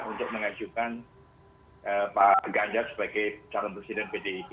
untuk mengajukan pak ganjar sebagai calon presiden pdip